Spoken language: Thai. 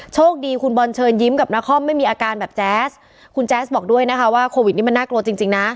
โชคดีคุณบอลเชิญยิ้มกับนครไม่มีอาการแบบแจ๊สคุณแจ๊สบอกด้วยนะคะว่าโควิดนี่มันน่ากลัวจริงจริงนะ